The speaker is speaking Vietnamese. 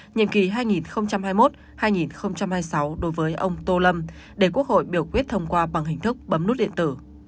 nhiệm kỳ hai nghìn hai mươi một hai nghìn hai mươi sáu đối với ông tô lâm để quốc hội biểu quyết thông qua bằng hình thức bấm nút điện tử